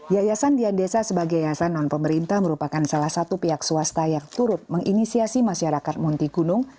yayasan dian desa sebagai yayasan non pemerintah merupakan salah satu pihak swasta yang turut menginisiasi masyarakat munti gunung